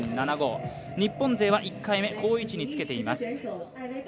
日本勢は１回目、好位置につけています。